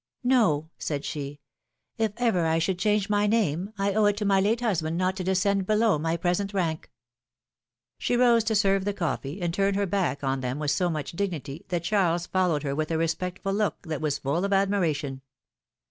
No," said she ; if ever I should change my name, I owe it to my late husband not to descend below my present rank." She rose to serve the coffee, and turned her back on them Avith so much dignity, that Charles followed her Avith a respectful look that Avas full of admiration.